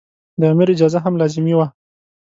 د امیر اجازه هم لازمي وه.